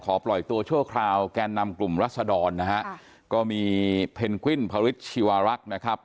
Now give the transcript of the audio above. ปล่อยตัวชั่วคราวแกนนำกลุ่มรัศดรนะฮะก็มีเพนกวินพระฤทธิวารักษ์นะครับ